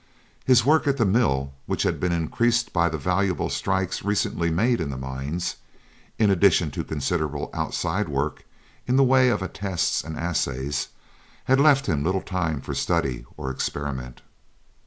His work at the mill, which had been increased by valuable strikes recently made in the mines, in addition to considerable outside work in the way of attests and assays, had left him little time for study or experiment.